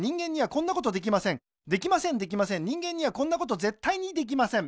できませんできません人間にはこんなことぜったいにできません